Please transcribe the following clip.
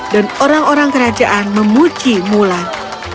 dan orang orang kerajaan memuji mulan